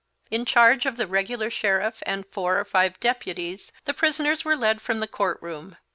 In charge of the regular sheriff and four or five deputies the prisoners were led from the court room.